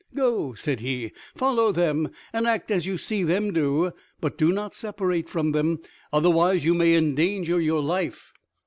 "Go," said he, "follow them, and act as you see them do; but do not separate from them, otherwise you may endanger your life."